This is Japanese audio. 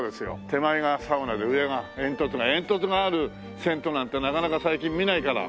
手前がサウナで上が煙突が煙突がある銭湯なんてなかなか最近見ないから。